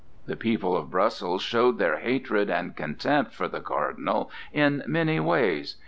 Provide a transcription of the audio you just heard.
The people of Brussels showed their hatred and contempt for the Cardinal in many ways.